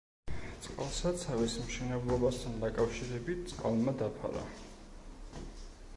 წყალსაცავის მშენებლობასთან დაკავშირებით წყალმა დაფარა.